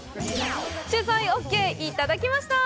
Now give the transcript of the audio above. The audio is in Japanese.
取材オーケーいただきました！